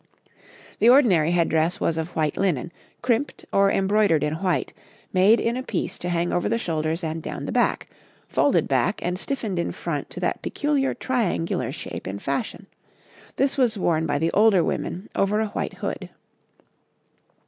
The ordinary head dress was of white linen, crimped or embroidered in white, made in a piece to hang over the shoulders and down the back, folded back and stiffened in front to that peculiar triangular shape in fashion; this was worn by the older women over a white hood.